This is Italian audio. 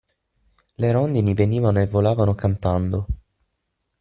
Le rondini venivano e volavano, cantando.